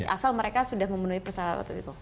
asal mereka sudah memenuhi persyaratan itu